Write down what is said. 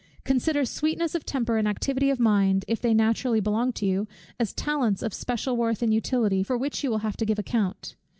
Consider sweetness of temper and activity of mind, if they naturally belong to you, as talents of special worth and utility, for which you will have to give account.